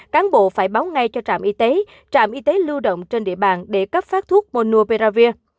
cán bộ phải báo ngay cho trạm y tế trạm y tế lưu động trên địa bàn để cấp phát thuốc monopearavir